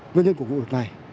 nguyên nhân của vụ này